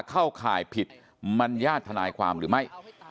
ข่ายผิดมัญญาติทนายความหรือไม่